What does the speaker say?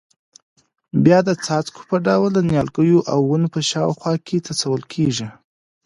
بیا د څاڅکو په ډول د نیالګیو او ونو په شاوخوا کې څڅول کېږي.